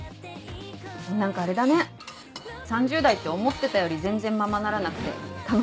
何かあれだね３０代って思ってたより全然ままならなくて楽しいね。